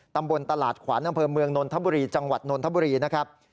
ตำบลตลาดขวัญอำเภอเมืองนนทบุรีจังหวัดนนทบุรีนะครับ